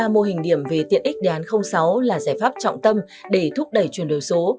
ba mô hình điểm về tiện ích đề án sáu là giải pháp trọng tâm để thúc đẩy chuyển đổi số